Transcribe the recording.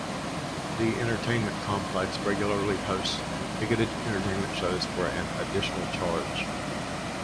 The entertainment complex regularly hosts ticketed entertainment shows for an additional charge.